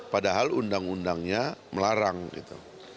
padahal undang undangnya melarang gitu